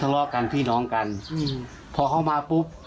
ลดออกมา